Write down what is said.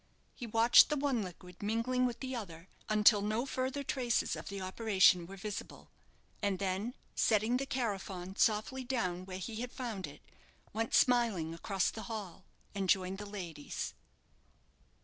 He watched the one liquid mingling with the other until no further traces of the operation were visible; and then setting the carafon softly down where he had found it, went smiling across the hall and joined the ladies.